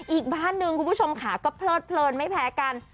อีกบ้านหนึ่งคุณผู้ชมค่ะก็เพลิดเพลินไม่แพ้กัน